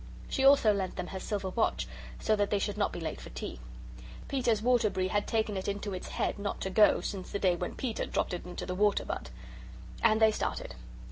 She also lent them her silver watch so that they should not be late for tea. Peter's Waterbury had taken it into its head not to go since the day when Peter dropped it into the water butt. And they started.